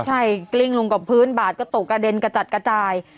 ใช่กลิ้งลงกับพื้นบาดก็ตกกระเด็นกระจัดกระจาย